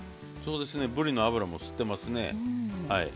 ぶりの脂も吸ってますね。